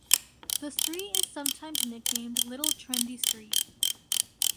The street is sometimes nicknamed Little Trendy Street.